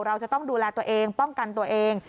เราจะต้องดูแลตัวเองป้องกันตัวเอง